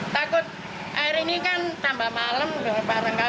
takut air ini kan tambah malam